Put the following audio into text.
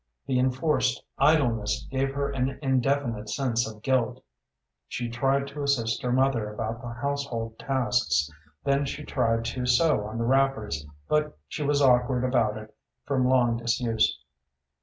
The enforced idleness gave her an indefinite sense of guilt. She tried to assist her mother about the household tasks, then she tried to sew on the wrappers, but she was awkward about it, from long disuse.